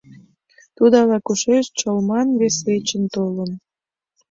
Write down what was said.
Тудо ала-кушеч, Чолман вес вечын, толын.